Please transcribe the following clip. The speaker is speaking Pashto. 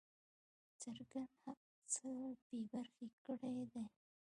څرګند حق څخه بې برخي کړی دی.